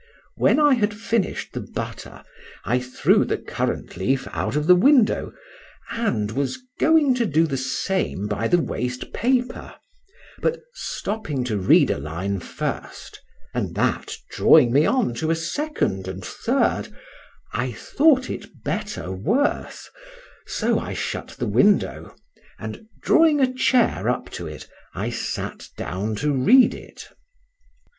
When I had finished the butter, I threw the currant leaf out of the window, and was going to do the same by the waste paper;—but stopping to read a line first, and that drawing me on to a second and third,—I thought it better worth; so I shut the window, and drawing a chair up to it, I sat down to read it.